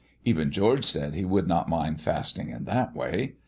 Even George said he would not mind fasting in that way.